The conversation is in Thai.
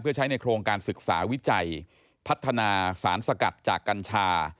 เพื่อใช้ในโครงการศึกษาวิจัยพัฒนาสารสกัดจากกัญชา